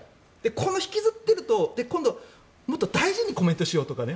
この、引きずってると今度、もっと大事にコメントしようとかね。